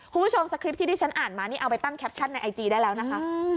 สคริปที่ที่ฉันอ่านมานี่เอาไปตั้งแคปชั่นในไอจีได้แล้วนะคะ